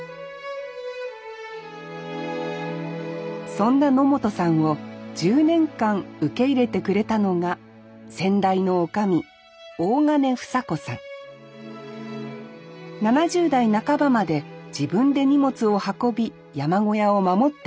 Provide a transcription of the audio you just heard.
そんな野本さんを１０年間受け入れてくれたのが先代のおかみ７０代半ばまで自分で荷物を運び山小屋を守っていました